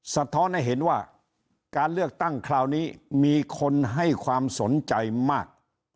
สะท้อนให้เห็นว่าการเลือกตั้งคราวนี้มีคนให้ความสนใจมาก